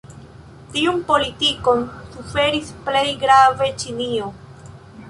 Tiun politikon suferis plej grave Ĉinio.